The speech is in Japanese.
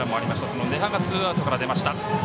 その禰覇がツーアウトから出ました。